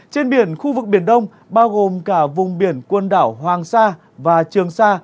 trên biển khu vực biển đông bao gồm cả vùng biển quần đảo hoàng sa và trường sa